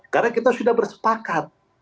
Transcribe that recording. karena kita sudah bersepakat